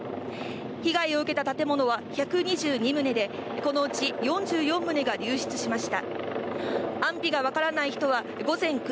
被害を受けた建物は１２２棟で、このうち４４棟が流失しました。